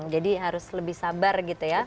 jadi harus lebih sabar gitu ya